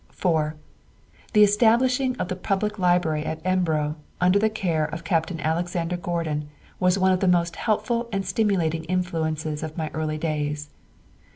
"4. The establishing of the public library at Embro, under the care of Capt. Alex. Gordon, was one of the most helpful and stimulating influences of my early days.